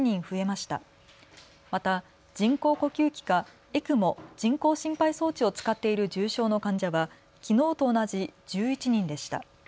また人工呼吸器かＥＣＭＯ・人工心肺装置を使っている重症の患者はきのうと同じ１１人でした。